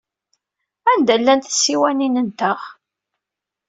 Anda llant tsiwanin-nteɣ?